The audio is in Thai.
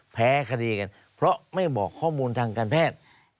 แพ้คดีกันเพราะไม่บอกข้อมูลทางการแพทย์